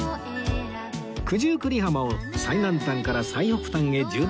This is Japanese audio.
九十九里浜を最南端から最北端へ縦断の旅